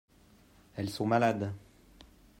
Elles sont malades.